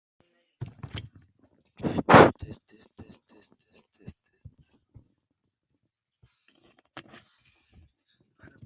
Lysidamus est battu par sa femme, ses fautes sont révélées publiquement.